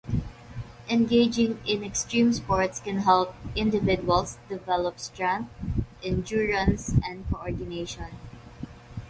Engaging in extreme sports can help individuals develop strength, endurance, and coordination.